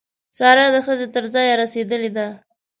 سارا د ښځې تر ځایه رسېدلې ده.